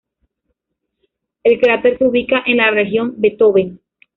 El cráter se ubica en la región Beethoven.